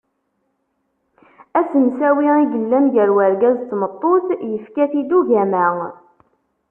Asemsawi i yellan gar urgaz n tmeṭṭut yefka-t-id ugama.